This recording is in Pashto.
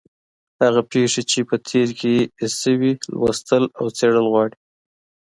هغه پېښې چي په تېر کي سوې، لوستل او څېړل غواړي.